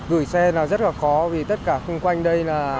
gửi xe là rất là khó vì tất cả khung quanh đây là